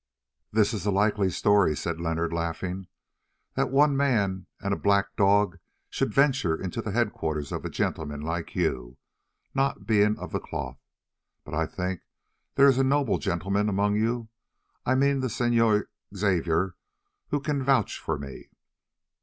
"This is a likely story," said Leonard laughing, "that one man and a black dog should venture into the headquarters of gentlemen like you, not being of the cloth. But I think there is a noble gentleman among you—I mean the Senor Xavier—who can vouch for me.